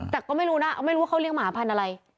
แต่ก็ไม่รู้นะไม่รู้ว่าเขาเลี้ยหมาพันธุ์อะไร